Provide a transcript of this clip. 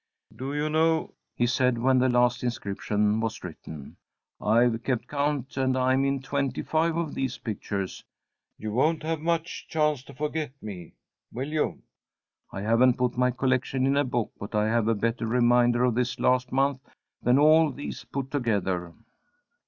"Do you know," he said, when the last inscription was written, "I've kept count, and I'm in twenty five of these pictures. You won't have much chance to forget me, will you? I haven't put my collection in a book, but I have a better reminder of this last month than all these put together."